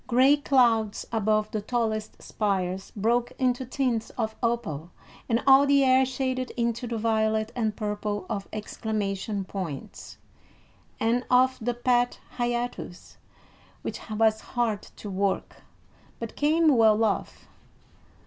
Gray clouds above the tallest spires broke into tints of opal, and all the air shaded into the violet and purple of exclamation points, and of the pet hiatus, which was hard to work, but came well off.